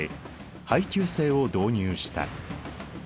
配給制を導入した。